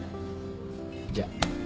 じゃあ。